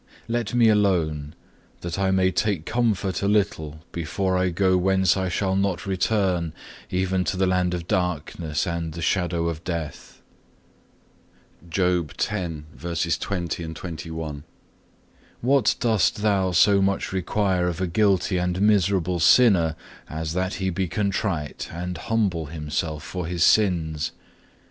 Let me alone, that I may take comfort a little before I go whence I shall not return even to the land of darkness and the shadow of death.(2) What dost Thou so much require of a guilty and miserable sinner, as that he be contrite, and humble himself for his sins?